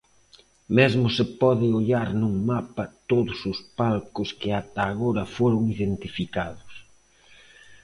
Mesmo se pode ollar nun mapa todos os palcos que ata agora foron identificados.